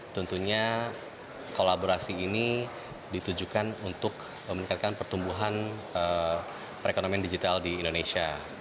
tentunya kolaborasi ini ditujukan untuk meningkatkan pertumbuhan perekonomian digital di indonesia